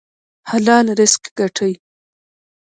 حلال رزق ګټئ